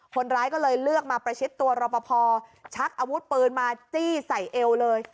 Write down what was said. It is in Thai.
คนร้ายก็เลยเลือกมาประชิดตัวรอปภชักอาวุธปืนมาจี้ใส่เอวเลย